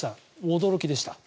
驚きました。